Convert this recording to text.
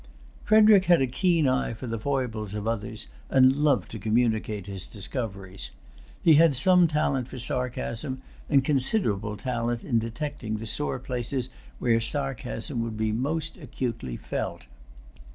Frederic had a keen eye for the foibles of others, and loved to communicate his discoveries. He had some talent for sarcasm, and considerable skill in detecting the sore places where sarcasm would be most acutely felt.